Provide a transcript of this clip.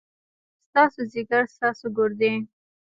ستاسو ځيګر ، ستاسو ګردې ،